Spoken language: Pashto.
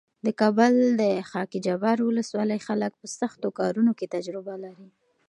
د کابل د خاکجبار ولسوالۍ خلک په سختو کارونو کې تجربه لري.